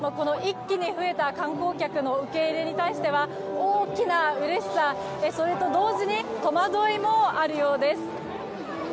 一気に増えた観光客の受け入れに対しては大きなうれしさ、それと同時に戸惑いもあるようです。